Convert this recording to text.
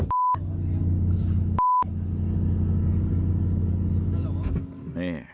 อุ๊ยต่อยพ่อของกูเหรอ